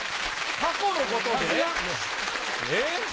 過去のことで？